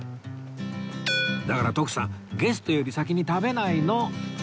だから徳さんゲストより先に食べないの！